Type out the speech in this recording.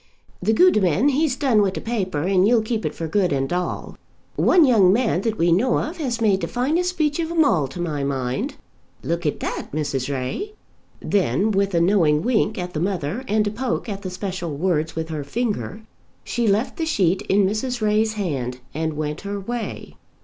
"The gudeman, he's done with t' paper, and you'll keep it for good and all. One young man that we know of has made t' finest speech of 'em all to my mind. Luik at that, Mrs. Ray." Then, with a knowing wink at the mother, and a poke at the special words with her finger, she left the sheet in Mrs. Ray's hand, and went her way.